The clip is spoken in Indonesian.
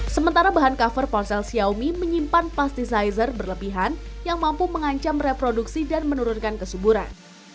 sementara bahan cover ponsel xiaomi menyimpan plasticizer berlebihan yang mampu mengancam reproduksi dan menurunkan kesuburan